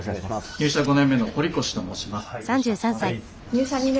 入社５年目の堀越と申します。